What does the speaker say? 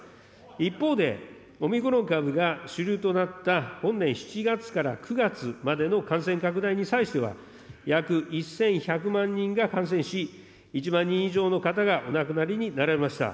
一方で、オミクロン株が主流となった本年７月から９月までの感染拡大に際しては、約１１００万人が感染し、１万人以上の方がお亡くなりになられました。